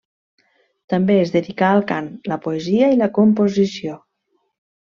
També es dedicà al cant, la poesia i la composició.